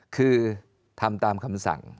คือทำตามคำศัลย์